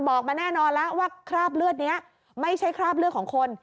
บอกมาแน่นอนแล้วว่าคราบเลือดนี้ไม่ใช่คราบเลือดของคน